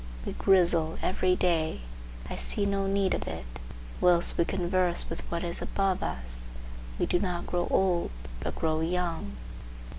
We grizzle every day. I see no need of it. Whilst we converse with what is above us, we do not grow old, but grow young.